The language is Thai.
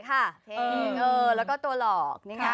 ค่ะแล้วก็ตัวหลอกนี่ค่ะ